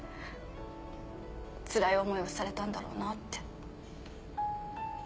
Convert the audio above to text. つらい思いをされたんだろうなって。